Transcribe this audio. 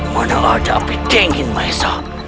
mana ada api dingin mahesha